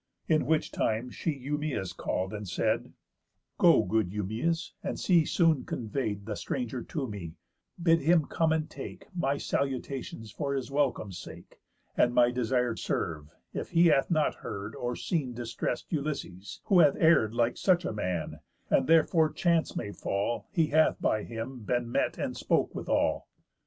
In which time she Eumæus call'd, and said: "Go, good Eumæus, and see soon convey'd The stranger to me; bid him come and take My salutations for his welcome's sake, And my desire serve, if he hath not heard Or seen distress'd Ulysses, who hath err'd Like such a man, and therefore chance may fall He hath by him been met and spoke withal?"